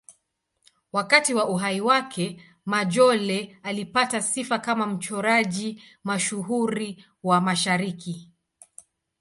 Wakati wa uhai wake, Majolle alipata sifa kama mchoraji mashuhuri wa Mashariki.